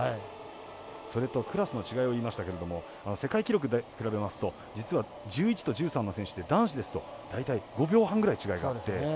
それとクラスの違いを言いましたけれども世界記録で比べますと実は、１１と１３の選手で男子ですと大体５秒半ぐらい違いがあって。